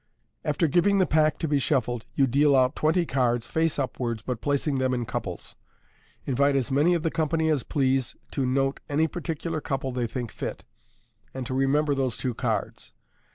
After giving the pack to be shuffled, you deal out twenty cards, face upwards, but placing them in couples. Invite as many of the company as please to note any particular couple they think fit, and to remember those two cards.